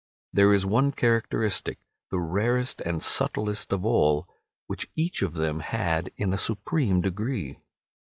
There is one characteristic, the rarest and subtlest of all, which each of them had in a supreme degree.